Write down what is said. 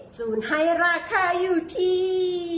จูนให้ราคาอยู่ที่